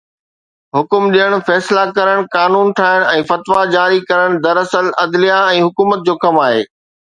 حڪم ڏيڻ، فيصلا ڪرڻ، قانون ٺاهڻ ۽ فتويٰ جاري ڪرڻ دراصل عدليه ۽ حڪومت جو ڪم آهي.